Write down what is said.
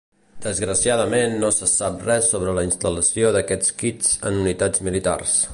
Desgraciadament, no se sap res sobre la instal·lació d'aquests kits en unitats militars.